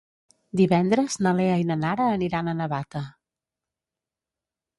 Divendres na Lea i na Nara aniran a Navata.